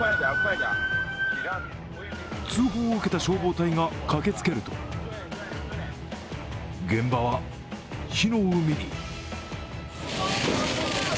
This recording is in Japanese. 通報を受けた消防隊が駆けつけると、現場は火の海に。